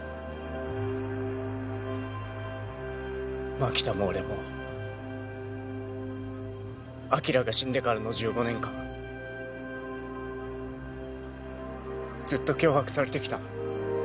槙田も俺も晶が死んでからの１５年間ずっと脅迫されてきた。